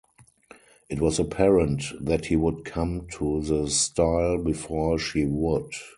It was apparent that he would come to the stile before she would.